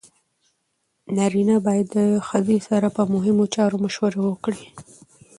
نارینه باید د ښځې سره په مهمو چارو مشوره وکړي.